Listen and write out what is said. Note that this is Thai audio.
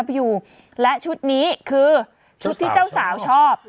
คือชุดที่เจ้าสาวชอบ